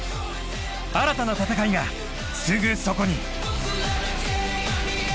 新たな戦いがすぐそこに。